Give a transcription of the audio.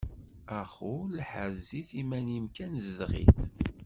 Ax ul ḥrez-it iman-im kan zdeɣ-it.